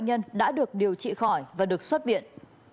trong đó năm trăm chín mươi tám bệnh nhân đã được điều trị khỏi và được xuất biện